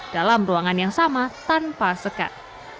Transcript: dalam ruangan yang sama tanpa sekat